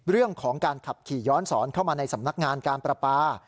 เรื่องของการขับขี่ย้อนสอนเข้ามาในสำนักงานการประปา